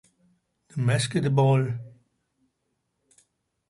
The Masked Ball